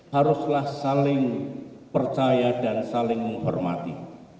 haruslah saling percaya dan saling menghormati